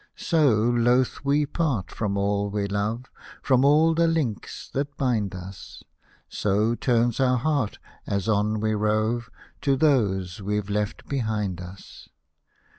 So loath we part from all we love, From all the links that bind us ; So turn our hearts as on we rove, To those we've left behind us.